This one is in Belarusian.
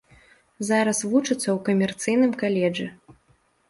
Зараз вучыцца ў камерцыйным каледжы.